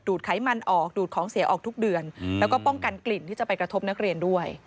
ไขมันออกดูดของเสียออกทุกเดือนแล้วก็ป้องกันกลิ่นที่จะไปกระทบนักเรียนด้วย